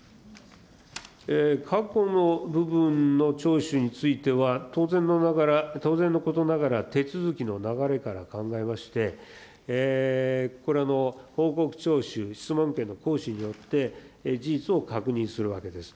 過去の部分の徴収については、当然のことながら手続きの流れから考えまして、これ、報告徴収、質問権の行使によって、事実を確認するわけです。